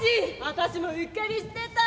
私もうっかりしてた。